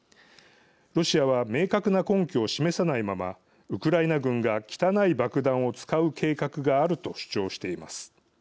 ロシアは明確な根拠を示さないままウクライナ軍が汚い爆弾を使う計画があると主張しています。